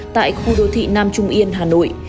tại khu đô thị nam trung yên hà nội